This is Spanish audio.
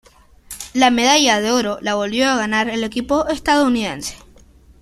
La medalla de oro la volvió a ganar el equipo estadounidense.